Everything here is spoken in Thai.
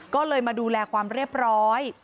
ก็เลยมาดูแลความเรียบร้อย